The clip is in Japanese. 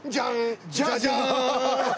ジャジャーン。